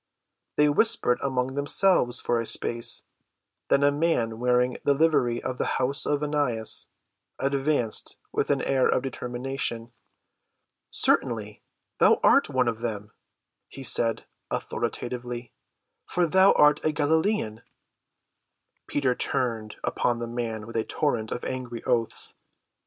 They whispered among themselves for a space, then a man wearing the livery of the house of Annas advanced with an air of determination. "Certainly, thou art one of them," he said authoritatively, "for thou art a Galilean." Peter turned upon the man with a torrent of angry oaths.